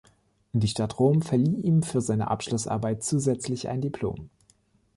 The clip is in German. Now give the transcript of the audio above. Die Stadt Rom verlieh ihm für seine Abschlussarbeit zusätzlich ein Diplom.